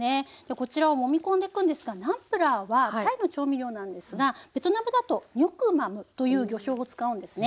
こちらをもみ込んでいくんですがナンプラーはタイの調味料なんですがベトナムだとニョクマムという魚しょうを使うんですね。